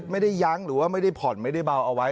ยั้งหรือว่าไม่ได้ผ่อนไม่ได้เบาเอาไว้